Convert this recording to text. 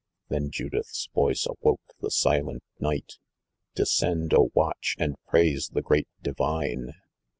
Then Judith's voice awoke the silent night : "Descend, O watch, and praise the great divine!